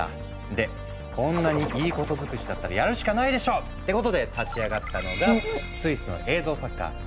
でこんなにいいこと尽くしだったらやるしかないでしょってことで立ち上がったのがスイスの映像作家